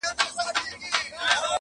څراغه بلي لمبې وکړه!